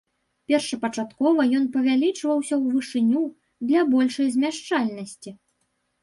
Першапачаткова ён павялічваўся ў вышыню, для большай змяшчальнасці.